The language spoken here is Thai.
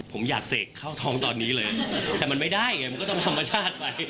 ผมอยากเสกเข้าท้องตอนนี้เลยแต่มันไม่ได้ไงมันก็ต้องธรรมชาติไป